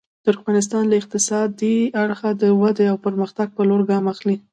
ترکمنستان له اقتصادي اړخه د ودې او پرمختګ په لور ګام اخلي.